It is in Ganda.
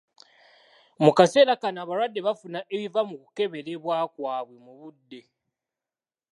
Mu kaseera kano, abalwadde bafuna ebiva mu kukeberebwa kwaabwe mu budde.